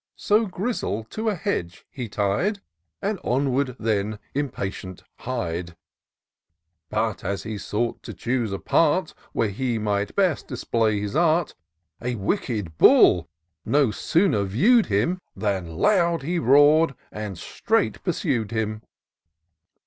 So Grizzle to a hedge he tied. And onward then impatient hied : But, as he sought to choose a part. Where he might best display his art, A wicked bull no sooner view'd him, Than loud he roar'd, and straight pursu'd him.